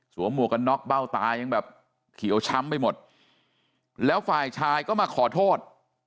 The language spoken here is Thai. หมวกกันน็อกเบ้าตายังแบบเขียวช้ำไปหมดแล้วฝ่ายชายก็มาขอโทษ